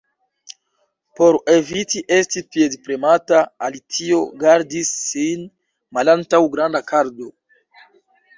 Por eviti esti piedpremata, Alicio gardis sin malantaŭ granda kardo.